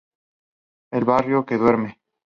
El barrio que duerme.